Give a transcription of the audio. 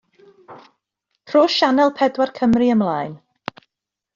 Rho sianel pedwar Cymru ymlaen